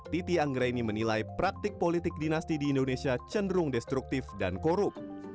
titi anggreni menilai praktik politik dinasti di indonesia cenderung destruktif dan korup